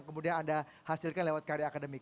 kemudian anda hasilkan lewat karya akademik